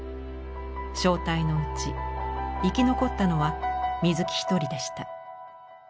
小隊のうち生き残ったのは水木一人でした。